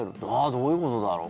どういうことだろう？